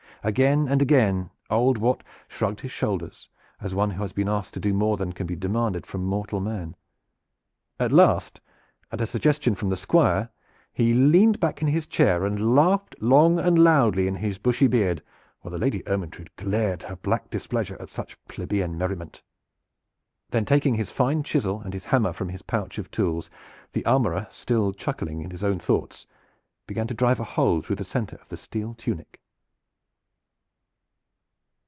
Again and again old Wat shrugged his shoulders, as one who has been asked to do more than can be demanded from mortal man. At last, at a suggestion from the Squire, he leaned back in his chair and laughed long and loudly in his bushy beard, while the Lady Ermyntrude glared her black displeasure at such plebeian merriment. Then taking his fine chisel and his hammer from his pouch of tools, the armorer, still chuckling at his own thoughts, began to drive a hole through the center of the steel tunic.